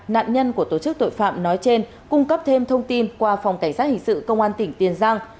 nạn nhân của tổ chức tội phạm nói trên cung cấp thêm thông tin qua phòng cảnh sát hình sự công an tỉnh tiền giang